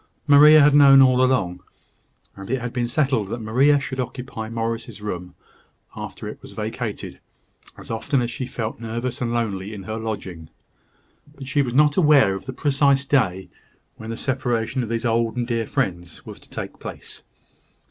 Maria had known all along; and it had been settled that Maria should occupy Morris's room, after it was vacated, as often as she felt nervous and lonely in her lodging. But she was not aware of the precise day when the separation of these old and dear friends was to take place.